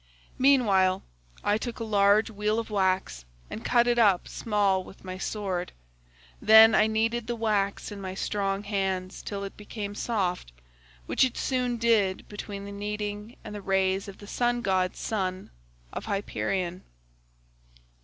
Meanwhile I look a large wheel of wax and cut it up small with my sword. Then I kneaded the wax in my strong hands till it became soft, which it soon did between the kneading and the rays of the sun god son of Hyperion.